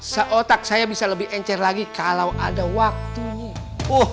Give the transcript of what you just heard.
seotak saya bisa lebih encer lagi kalau ada waktunya